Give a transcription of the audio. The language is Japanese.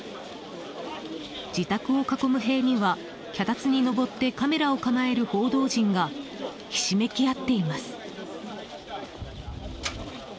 自宅を囲む塀には、脚立に上ってカメラを構える報道陣がひしめき合っています。